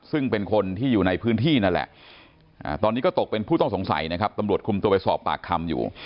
ซึ่งเป็นคนที่อยู่ในพื้นที่นั่นแหละตอนนี้ก็ตกเป็นผู้ต้องสงสัยนะครับตำรวจคุมตัวไปสอบปากคำอยู่